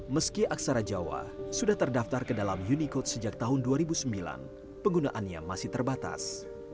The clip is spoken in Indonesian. meski aksara jawa sudah terdaftar ke dalam unicord sejak tahun dua ribu sembilan penggunaannya masih terbatas